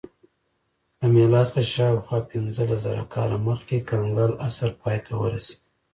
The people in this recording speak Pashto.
له میلاد څخه شاوخوا پنځلس زره کاله مخکې کنګل عصر پای ته ورسېد